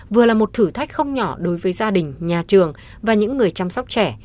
vừa là một thử thách không nhỏ đối với gia đình nhà trường và những người chăm sóc trẻ